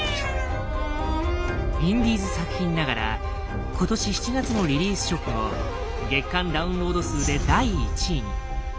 インディーズ作品ながら今年７月のリリース直後月間ダウンロード数で第１位に。